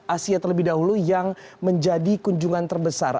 asia terlebih dahulu yang menjadi kunjungan terbesar